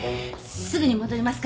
すぐに戻りますから。